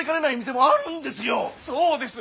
そうです！